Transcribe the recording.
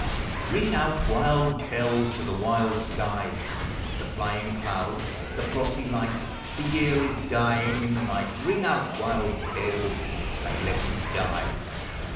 Ring out, wild bells, to the wild sky> The flying cloud, the frosty light: The year is dying in the night — Ring out, wild bells, and let him die.